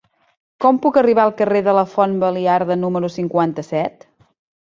Com puc arribar al carrer de la Font Baliarda número cinquanta-set?